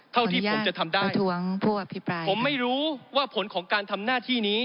เข้าที่ผมจะทำได้